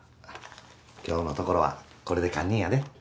今日のところはこれで堪忍やで。